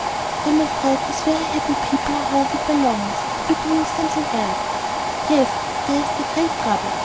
"I am afraid these very happy people are haunted by longings to be doing something else." "Yes: there is their great trouble.